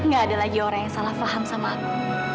gak ada lagi orang yang salah faham sama aku